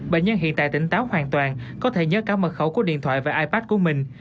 bệnh nhân hiện tại tỉnh táo hoàn toàn có thể nhớ cả mật khẩu của điện thoại và ipad của mình